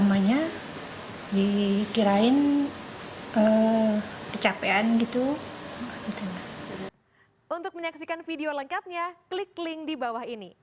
pertamanya dikirain kecapean gitu